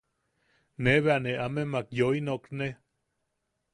Ne bea ne amemak yoi nokne.